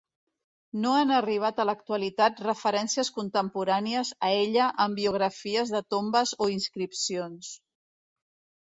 No han arribat a l'actualitat referències contemporànies a ella en biografies de tombes o inscripcions.